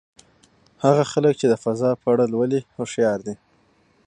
هغه هلک چې د فضا په اړه لولي هوښیار دی.